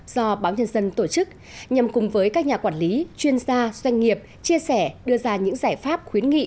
do báo nhân dân tổ chức nhằm cùng với các nhà quản lý chuyên gia doanh nghiệp chia sẻ đưa ra những giải pháp khuyến nghị